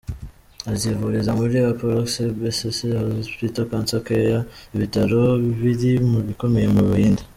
Azivuriza muri Apollo Cbcc Hospital Cancer Care, ibitaro biri mu bikomeye mu Buhinde.